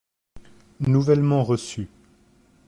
Nouvellement reçu.